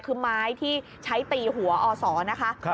คือไม้ที่ใช้ตีหัวอศนะคะ